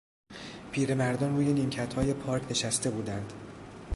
پیرمردان روی نیمکتهای پارک نشسته بودند.